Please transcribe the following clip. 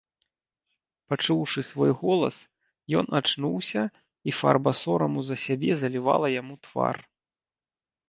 Пачуўшы свой голас, ён ачнуўся, і фарба сораму за сябе залівала яму твар.